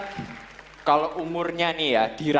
ini sebenarnya tidak ada yang bisa dikira